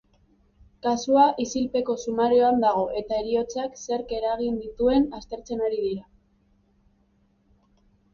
Kasua isilpeko sumarioan dago eta heriotzak zerk eragin dituen aztertzen ari dira.